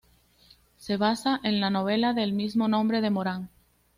Se basa en la novela del mismo nombre de Moran.